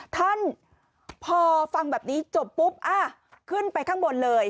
ท่านพอฟังแบบนี้จบปุ๊บขึ้นไปข้างบนเลย